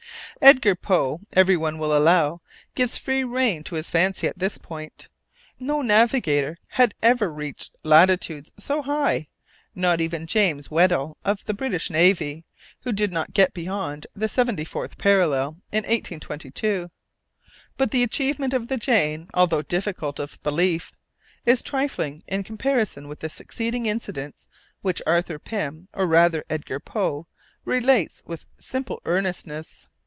Edgar Poe, every one will allow, gives free rein to his fancy at this point. No navigator had ever reached latitudes so high not even James Weddell of the British Navy, who did not get beyond the seventy fourth parallel in 1822. But the achievement of the Jane, although difficult of belief, is trifling in comparison with the succeeding incidents which Arthur Pym, or rather Edgar Poe, relates with simple earnestness.